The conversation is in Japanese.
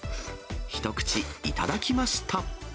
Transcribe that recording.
一口頂きました。